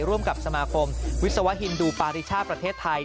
ร่วมกับสมาคมวิศวฮินดูปาริชาติประเทศไทย